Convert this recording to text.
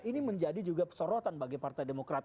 ini menjadi juga sorotan bagi partai demokrat